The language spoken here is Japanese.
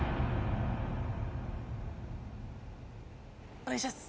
お願いします。